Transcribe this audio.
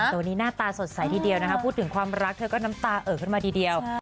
แต่วันนี้หน้าตาสดใสทีเดียวนะคะพูดถึงความรักเธอก็น้ำตาเอ่อขึ้นมาทีเดียว